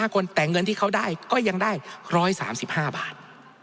๕คนแต่เงินที่เขาได้ก็ยังได้๑๓๕บาท